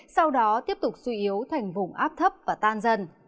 sau đó tiếp tục suy yếu thành vùng áp thấp và tan dần